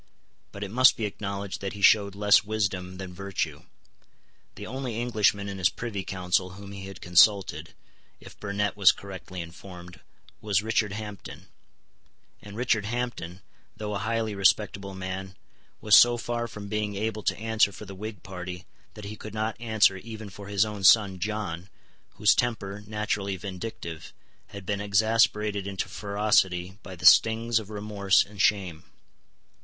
But it must be acknowledged that he showed less wisdom than virtue. The only Englishman in his Privy Council whom he had consulted, if Burnet was correctly informed, was Richard Hampden; and Richard Hampden, though a highly respectable man, was so far from being able to answer for the Whig party that he could not answer even for his own son John, whose temper, naturally vindictive, had been exasperated into ferocity by the stings of remorse and shame.